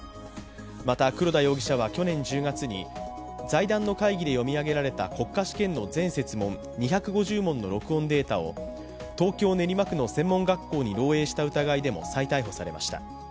また、黒田容疑者は去年１０月に財団の会議で読み上げられた国家試験の全設問２５０問の録音データを東京・練馬区の専門学校に漏えいした疑いでも再逮捕されました。